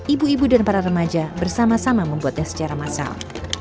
ibu ibu dan para remaja bersama sama membuatnya secara massal